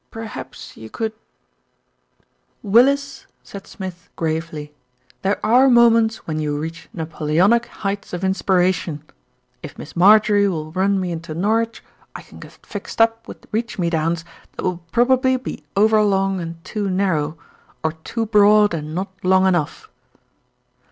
"Perhaps you could" "Willis," said Smith gravely, "there are moments when you reach Napoleonic heights of inspiration. If Miss Marjorie will run me into Norwich, I can get fixed up with reach me downs that will probably be over long and too narrow, or too broad and not long enough."